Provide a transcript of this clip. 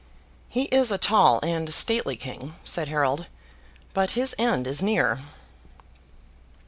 'He is a tall and stately king,' said Harold, 'but his end is near.